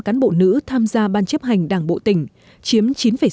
cán bộ nữ tham gia ban chấp hành đảng bộ tỉnh chiếm chín sáu